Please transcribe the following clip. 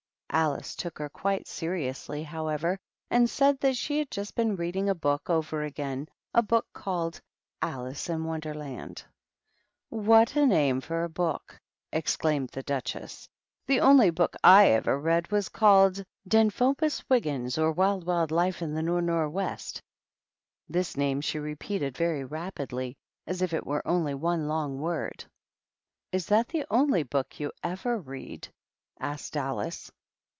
Alice took her quite seriously, however, and said that she had just been reading over again a book called Alice in Wonderland. " What a name for a book!" exclaimed the Duchess. "The only book / ever read was called * Denphobus Wiggins or Wild Salt Life IN the Nor' Nor' West. "' This name 130 THE RED QUEEN AND THE DUCHESS. she repeated very rapidly and as if it were only one long word. " Is that the only book you ever read ?" asked Alice.